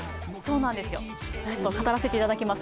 語らせていただきます。